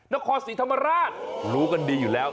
นครศรีธรรมราชรู้กันดีอยู่แล้ว